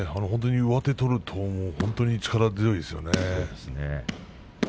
上手を取ると本当に力強いですね。